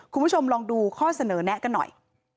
คุณผู้ชมลองดูข้อเสนอแนะกันหน่อย